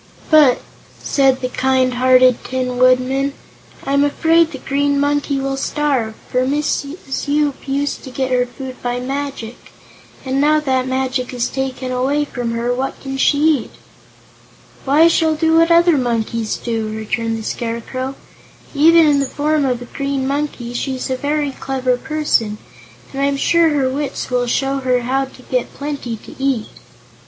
"But," said the kind hearted Tin Woodman, "I'm afraid the Green Monkey will starve, for Mrs. Yoop used to get her food by magic, and now that the magic is taken away from her, what can she eat?" "Why, she'll eat what other monkeys do," returned the Scarecrow. "Even in the form of a Green Monkey, she's a very clever person, and I'm sure her wits will show her how to get plenty to eat."